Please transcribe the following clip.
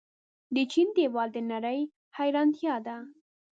د چین دیوال د نړۍ حیرانتیا ده.